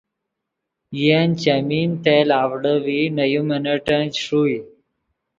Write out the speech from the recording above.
ین چیمی تیل اڤڑے ڤی نے یو منٹن چے ݰوئے